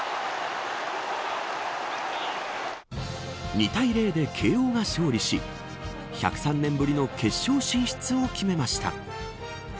２対０で慶応が勝利し１０３年ぶりの決勝進出を決めました。